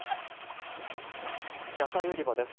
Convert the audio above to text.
野菜売り場です。